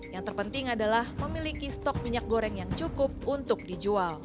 yang terpenting adalah memiliki stok minyak goreng yang cukup untuk dijual